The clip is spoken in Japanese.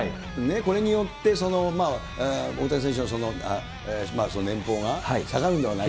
これによって、大谷選手の年俸が下がるんではないか。